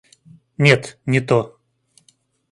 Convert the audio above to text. Нет, не то.